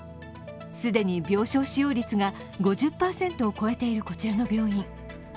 既に病床使用率が５０％をこえているこちらの病院。